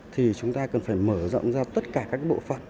thì chúng ta cần phải mở rộng ra tất cả các bộ phận